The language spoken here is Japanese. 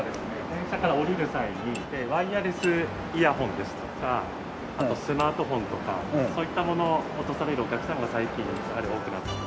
電車から降りる際にワイヤレスイヤホンですとかあとスマートフォンとかそういったものを落とされるお客様が最近やはり多くなって。